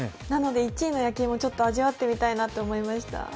なので、１位の焼き芋、ちょっと味わってみたいなと思いました。